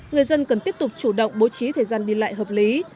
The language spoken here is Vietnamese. người dân cần tiếp tục chủ động bố trí thời gian đi lại hợp lý